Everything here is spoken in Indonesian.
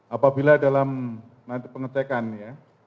apabila dalam nanti pengecekan ya